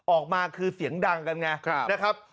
ออกมาคือเสียงดังกันไงนะครับ